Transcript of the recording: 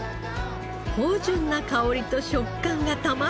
芳醇な香りと食感がたまらない